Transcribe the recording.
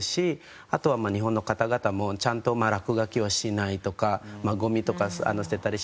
あとはまあ日本の方々もちゃんと落書きをしないとかゴミとか捨てたりしない。